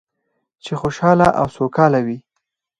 چې خوشحاله او سوکاله وي.